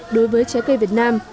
đối với trái cây việt nam